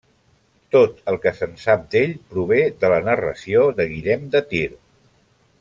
Tot el que se'n sap d'ell prové de la narració de Guillem de Tir.